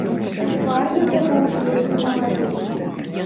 Твар яго быў вельмі малады.